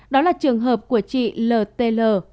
đó là trường hợp của chị l t l